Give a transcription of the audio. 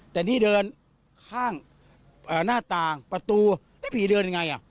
แต่นี่เดินข้างหน้าต่างประตูแล้วผีเดินยังไง